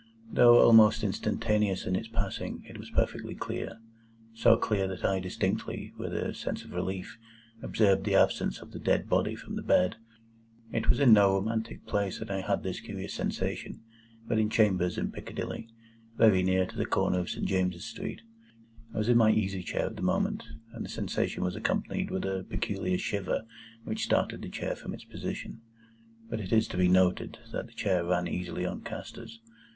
Though almost instantaneous in its passing, it was perfectly clear; so clear that I distinctly, and with a sense of relief, observed the absence of the dead body from the bed. It was in no romantic place that I had this curious sensation, but in chambers in Piccadilly, very near to the corner of St. James's Street. It was entirely new to me. I was in my easy chair at the moment, and the sensation was accompanied with a peculiar shiver which started the chair from its position. (But it is to be noted that the chair ran easily on castors.)